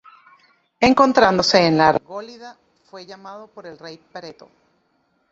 Encontrándose en la Argólida fue llamado por el rey Preto.